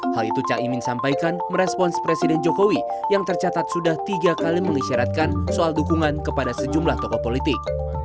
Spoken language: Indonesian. hal itu cak imin sampaikan merespons presiden jokowi yang tercatat sudah tiga kali mengisyaratkan soal dukungan kepada sejumlah tokoh politik